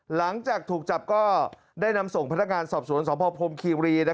หลังจากถูกจับก็ได้นำส่งพนักงานสอบสวนสพพรมคีรี